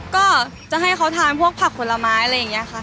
ก็จะให้เขาทานพวกผักผลไม้อะไรอย่างนี้ค่ะ